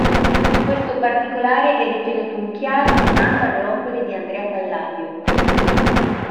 Questo particolare è ritenuto un chiaro rimando alle opere di Andrea Palladio.